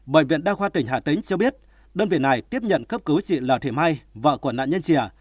bệnh viện đa khoa tỉnh hà tĩnh cho biết đơn vị này tiếp nhận cấp cứu chị là thị mai vợ của nạn nhân trẻ